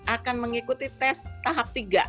akan mengikuti tes tahap tiga